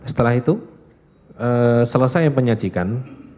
setelah itu selesai penyajikan